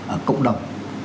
ở cộng đồng